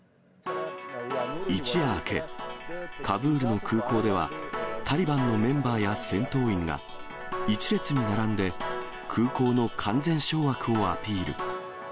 一夜明け、カブールの空港では、タリバンのメンバーや戦闘員が、１列に並んで、空港の完全掌握をアピール。